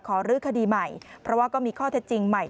รื้อคดีใหม่เพราะว่าก็มีข้อเท็จจริงใหม่